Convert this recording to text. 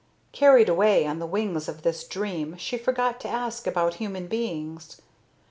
Carried away on the wings of this dream, she forgot to ask about human beings.